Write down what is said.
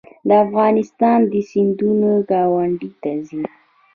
د افغانستان سیندونه ګاونډیو ته ځي